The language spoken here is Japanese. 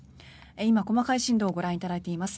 今、細かい進路をご覧いただいています。